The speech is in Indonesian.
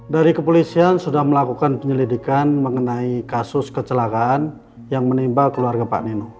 dari kepolisian sudah melakukan penyelidikan mengenai kasus kecelakaan yang menimba keluarga pak nino